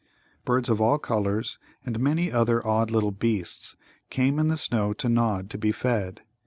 Birds of all colours and many other odd little beasts came in the snow to Nod to be fed.